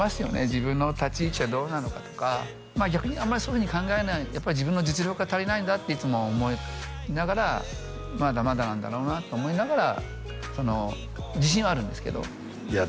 自分の立ち位置はどうなのかとか逆にあんまりそういうふうに考えない自分の実力が足りないんだっていつも思いながらまだまだなんだろうなと思いながら自信はあるんですけどいや